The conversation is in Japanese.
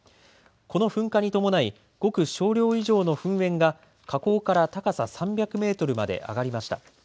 この噴火に伴い、噴煙が火口から高さ３００メートルまで上がりました。